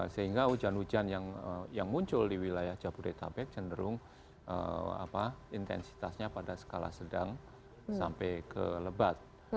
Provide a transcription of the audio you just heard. sehingga hujan hujan yang muncul di wilayah jabodetabek cenderung intensitasnya pada skala sedang sampai ke lebat